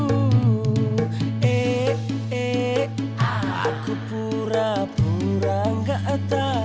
eh eh eh ah aku pura pura nggak tau